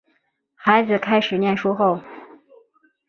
孩子开始念书后